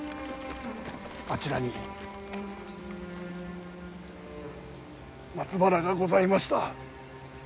あちらに松原がございました。